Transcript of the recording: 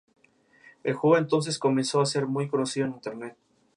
El juego entonces comenzó a ser muy conocido en Internet.